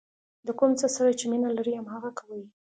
د کوم څه سره چې مینه لرئ هماغه کوئ.